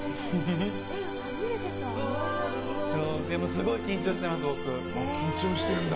すごい緊張してます、僕。